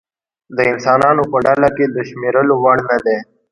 د انسانانو په ډله کې د شمېرلو وړ نه دی.